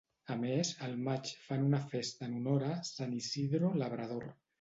A més, al maig fan una festa en honor a San Isidro Labrador.